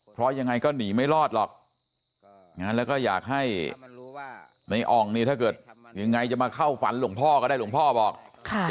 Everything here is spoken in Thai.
เพราะยังไงก็หนีไม่รอดหรอกอยากให้ในอ่องจะมาเข้าฝันหรือใครเข้าในกล้ามห่าง